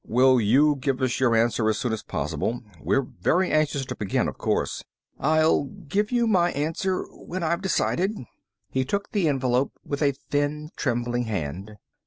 Will you give us your answer as soon as possible? We're very anxious to begin, of course." "I'll give you my answer when I've decided." He took the envelope with a thin, trembling hand.